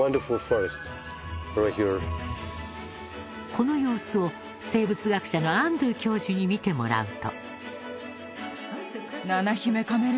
この様子を生物学者のアンドゥ教授に見てもらうと。